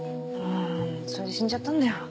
それで死んじゃったんだよ。